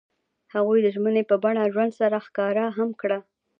هغوی د ژمنې په بڼه ژوند سره ښکاره هم کړه.